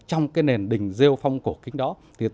trong nền đình rêu phong cổ kính đó